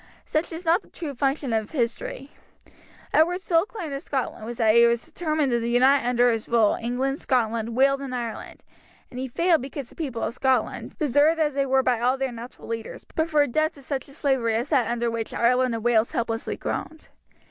Such is not the true function of history. Edward's sole claim to Scotland was that he was determined to unite under his rule England, Scotland, Wales, and Ireland, and he failed because the people of Scotland, deserted as they were by all their natural leaders, preferred death to such a slavery as that under which Ireland and Wales helplessly groaned.